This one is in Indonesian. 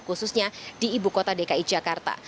khususnya di ibu kota dki jakarta